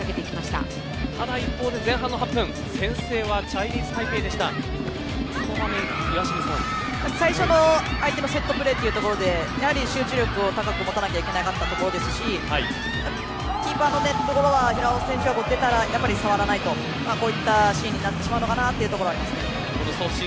ただ一方で前半の８分先制は最初の相手のセットプレーというところでやはり集中力を高く持たなければいけなかったところですしキーパーのところは平尾選手出たら触らないと、こういったシーンになってしまうのかなというところです。